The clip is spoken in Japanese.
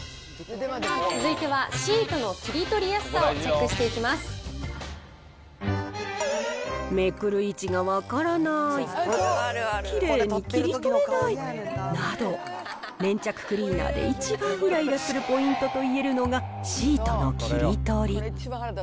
続いてはシートの切り取りやすさめくる位置が分からない、きれいに切り取れないなど、粘着クリーナーで一番いらいらするポイントといえるのが、シートの切り取り。